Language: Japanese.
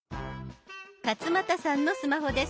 勝俣さんのスマホです。